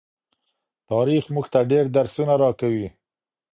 تاریخ مونږ ته ډیر درسونه راکوي.